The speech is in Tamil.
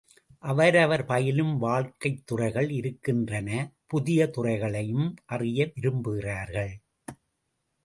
அவரவர் பயிலும் வாழ்க்கைத் துறைகள் இருக்கின்றன புதிய துறைகளையும் அறிய விரும்புகிறார்கள்.